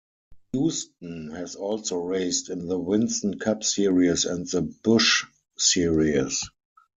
Houston has also raced in the Winston Cup Series and the Busch Series.